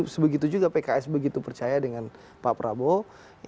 sebegitu juga pks begitu percaya dengan pak prabowo